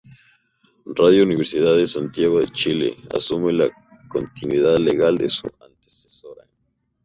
Radio Universidad de Santiago de Chile asume la continuidad legal de su antecesora.